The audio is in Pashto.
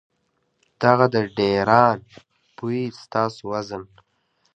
دغه د ډېران بوئي ستاسو وزن ،